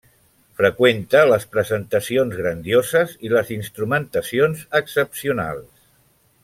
Freqüenta les presentacions grandioses i les instrumentacions excepcionals.